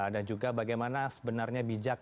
dan juga bagaimana sebenarnya bijak